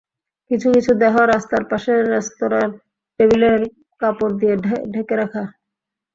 কিছু কিছু দেহ রাস্তার পাশের রেস্তোরাঁর টেবিলের কাপড় দিয়ে ঢেকে রাখা।